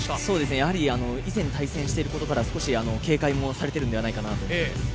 やはり以前対戦していることから少し警戒もされているのではないかと思います。